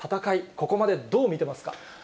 ここまでどう見てますか？